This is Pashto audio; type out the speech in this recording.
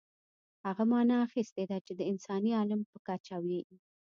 هغه معنا اخیستې ده چې د انساني عالم په کچه وي.